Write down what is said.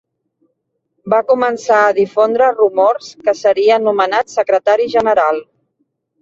Va començar a difondre rumors que seria nomenat secretari general.